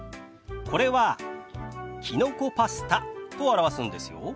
これは「きのこパスタ」と表すんですよ。